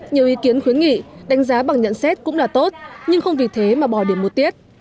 nhiều ý kiến khuyến nghị đánh giá bằng nhận xét cũng là tốt nhưng không vì thế mà bỏ điểm một tiết